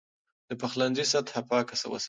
د پخلنځي سطحه پاکه وساتئ.